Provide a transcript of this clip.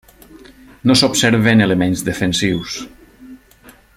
No s'observen elements defensius.